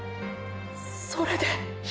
それで？